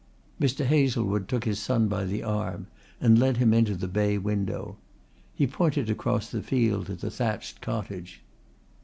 Mr. Hazlewood took his son by the arm and led him into the bay window. He pointed across the field to the thatched cottage.